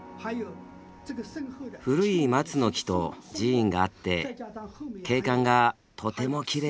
古い松の木と寺院があって景観がとてもきれいですね。